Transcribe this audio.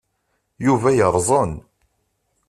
Yuba yerẓen.